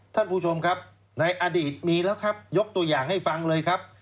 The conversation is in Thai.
ท่านผู้ชมครับในอดีตมีแล้วครับยกตัวอย่างให้ฟังเลยครับ